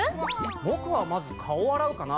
僕はまず顔を洗うかな。